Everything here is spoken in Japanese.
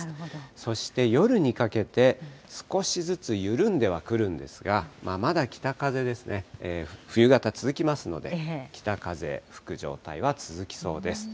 そして夜にかけて、少しずつ緩んではくるんですが、まだ北風ですね、冬型、続きますので、北風、吹く状態は続きそうです。